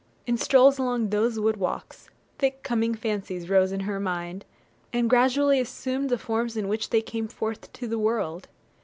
In strolls along those wood walks, thick coming fancies rose in her mind, and gradually assumed the forms in which they came forth to the world.